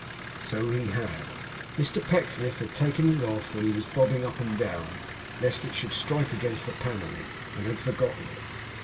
So he had. Mr Pecksniff had taken it off when he was bobbing up and down, lest it should strike against the panelling; and had forgotten it.